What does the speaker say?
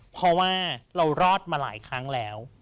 เพราะว่าเรารอดมาหลายครั้งแล้ว